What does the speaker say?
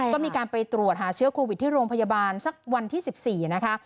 ก็มีการไปตรวจหาเชื้อโควิดที่โรงพยาบาลสักวันที่๑๔นะคะ